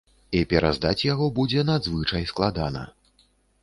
І пераздаць яго будзе надзвычай складана.